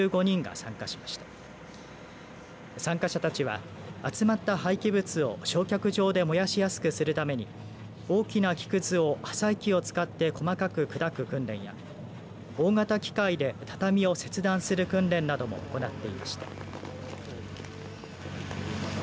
参加者たちは集まった廃棄物を焼却場で燃やしやすくするために大きな木くずを破砕器を使って細かく砕く訓練や大型機械で畳を切断する訓練なども行っていました。